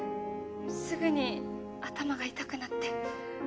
すぐに頭が痛くなって。